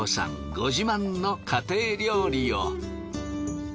ご自慢の家庭料理を。